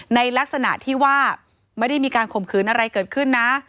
ในลักษณะที่ว่าไม่ได้มีการข่มขืนอะไรเกิดขึ้นนะ